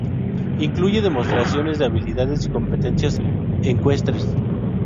Incluye demostraciones de habilidades y competencias ecuestres.